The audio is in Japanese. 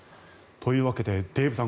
というわけでデーブさん